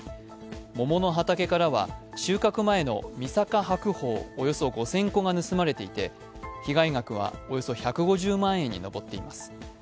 桃の畑からは、収穫前のみさか白鳳およそ５０００個が盗まれていて、被害額はおよそ１５０万円に上っています。